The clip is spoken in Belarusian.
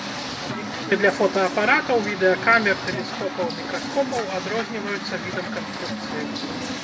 Аб'ектывы для фотаапаратаў, відэакамер, тэлескопаў, мікраскопаў адрозніваюцца відам канструкцыі.